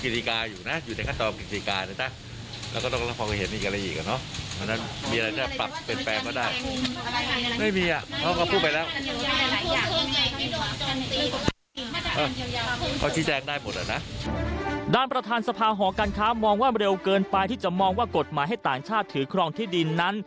ด้านประธานสภาหอการค้ามองว่าเร็วเกินไปที่จะมองว่ากฎหมายให้ต่างชาติถือครองที่ดินนั้น